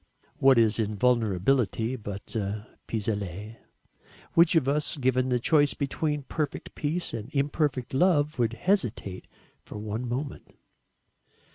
What is invulnerability but a pis aller? Which of us, given the choice between perfect peace and imperfect love would hesitate for one moment?